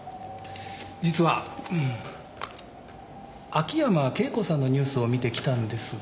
実は秋山圭子さんのニュースを見て来たんですが。